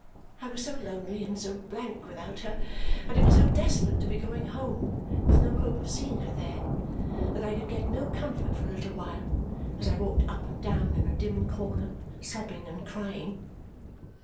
I was so lonely and so blank without her, and it was so desolate to be going home with no hope of seeing her there, that I could get no comfort for a little while as I walked up and down in a dim corner sobbing and crying.